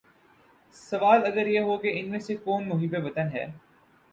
سوال اگر یہ ہو کہ ان میں سے کون محب وطن ہے